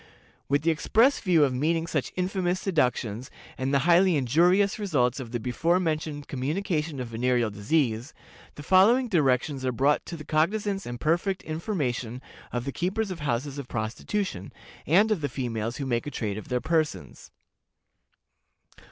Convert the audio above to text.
"With the express view of meeting such infamous seductions, and the highly injurious results of the before mentioned communication of venereal disease, the following directions are brought to the cognizance and perfect information of the keepers of houses of prostitution, and of the females who make a trade of their persons.